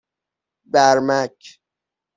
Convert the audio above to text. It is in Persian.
بَرمک